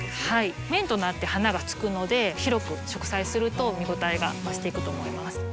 面となって花がつくので広く植栽すると見応えが増していくと思います。